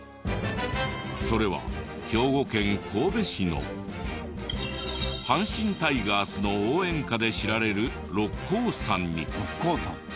それは兵庫県神戸市の阪神タイガースの応援歌で知られる六甲山に。